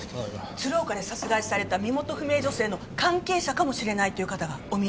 鶴岡で殺害された身元不明女性の関係者かもしれないという方がお見えです。